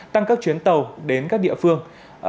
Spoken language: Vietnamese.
tăng các chuyến tàu đến các địa phương